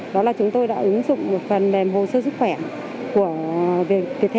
đó là chúng tôi đã ứng dụng một phần mềm hồ sơ sức khỏe